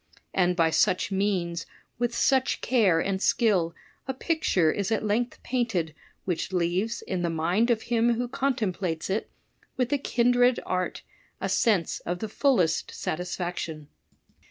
And by such means, with such care and skill, a picture Is at length painted which leaves in the mind of him who con templates it with a kindred art, a sense of the fullest satis faction.